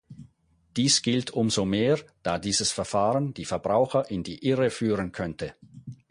Dies gilt umso mehr, da dieses Verfahren die Verbraucher in die Irre führen könnte.